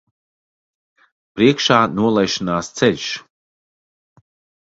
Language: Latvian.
Priekšā nolaišanās ceļš.